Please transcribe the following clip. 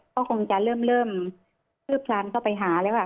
ก็คงจะเริ่มคืบคลานเข้าไปหาแล้วค่ะ